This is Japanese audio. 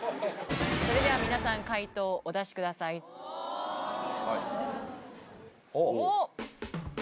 それでは皆さん解答をお出しくださいおっ！